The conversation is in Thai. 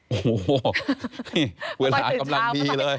โอ้โหนี่เวลากำลังดีเลย